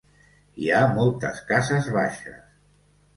Hi ha moltes cases baixes.